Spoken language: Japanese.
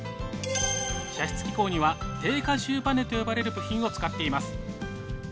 射出機構には定荷重ばねと呼ばれる部品を使っています。